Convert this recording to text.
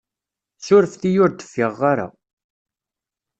Sureft-iyi ur d-fiɣeɣ ara.